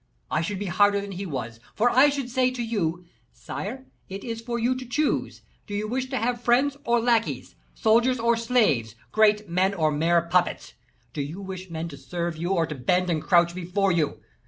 I should be harder than he was, for I should say to you 'Sire; it is for you to choose. Do you wish to have friends or lackeys soldiers or slaves great men or mere puppets? Do you wish men to serve you, or to bend and crouch before you?